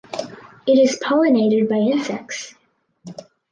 It is pollinated by insects.